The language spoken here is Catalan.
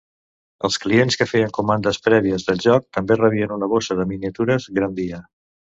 Els clients que feien comandes prèvies del joc també rebien una bossa de miniatures "Grandia".